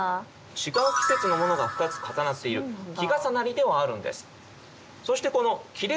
違う季節のものが２つ重なっている「季重なり」ではあるんです。